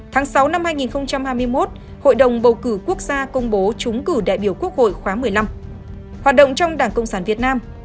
tháng sáu năm hai nghìn hai mươi một hội đồng bầu cử quốc gia công bố trúng cử đại biểu quốc hội khóa một mươi năm hoạt động trong đảng cộng sản việt nam